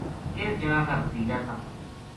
اس جنا کا بھتیجا تھا